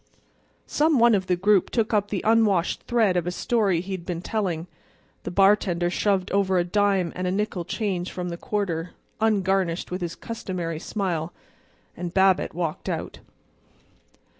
Some one of the group took up the unwashed thread of a story he had been telling; the bartender shoved over a dime and a nickel change from the quarter, ungarnished with his customary smile; and Babbitt walked out.